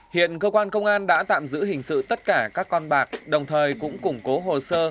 hiện cơ quan công an đã tạm giữ hình sự tất cả các con bạc đồng thời cũng củng cố hồ sơ